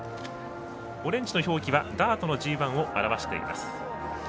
オレンジの表記はダートのＧＩを表しています。